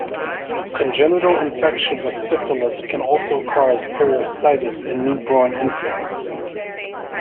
Congenital infection with syphilis can also cause periostitis in newborn infants.